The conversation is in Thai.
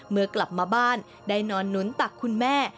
เมื่อกลับมาบ้านได้นอนหนุนตักคุณแม่